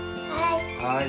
はい。